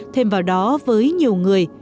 thêm vào đó với nhiều người